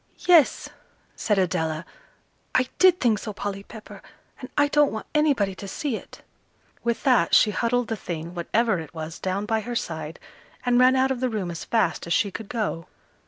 "Yes," said Adela, "I did think so, Polly Pepper, and I don't want anybody to see it." With that she huddled the thing, whatever it was, down by her side, and ran out of the room as fast as she could go.